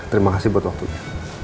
terima kasih buat waktunya